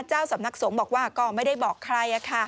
เจ้าสำนักสงฆ์บอกว่าก็ไม่ได้บอกใคร